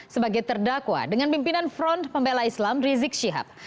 sebagai terdakwa dengan pimpinan front pembela islam rizik syihab